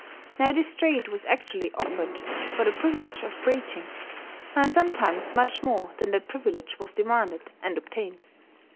Now this trade was actually offered for the privilege of preaching; and sometimes much more than that privilege was demanded and obtained.